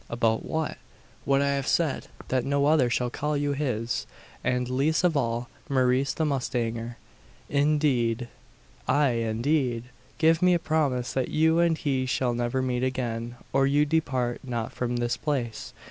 "About what?" "What I have said that no other shall call you his, and least of all Maurice the mustanger." "Indeed!" "Ay, indeed! Give me a promise that you and he shall never meet again, or you depart not from this place!"